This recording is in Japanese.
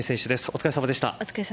お疲れさまでした。